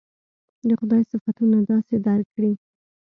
د خدای صفتونه داسې درک کړي.